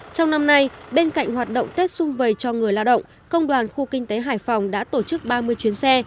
trong năm nay bên cạnh hoạt động tết xung vầy cho người lao động công đoàn khu kinh tế hải phòng đã tổ chức ba mươi chuyến xe